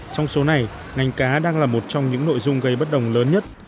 trong số này ngành cá đang là một trong những nội dung gây bất đồng lớn nhất